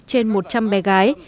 trên một trăm linh bé gái